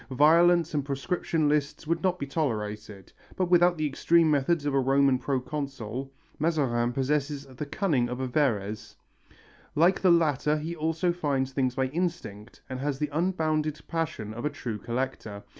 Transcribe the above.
Violence and proscription lists would not be tolerated, but without the extreme methods of a Roman proconsul, Mazarin possesses the cunning of a Verres. Like the latter he also finds things by instinct and has the unbounded passion of a true collector.